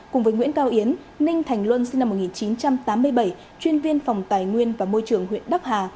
cùng với nguyễn cao yến ninh thành luân sinh năm một nghìn chín trăm tám mươi bảy chuyên viên phòng tài nguyên và môi trường huyện đắc hà